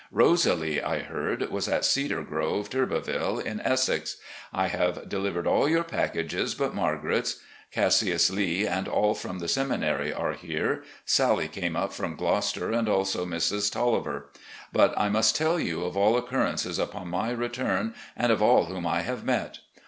Rosalie, I heard, was at 'C^ar Grove,' Turbeville in Essex. I have delivered aU your packages but Margaret's. Cas sius Lee and all from the seminary are here. Sally came up from Gloucester, and also Mrs. Taliaferro. But I must tell you of all occurrences upon my return, and of all whom I have met.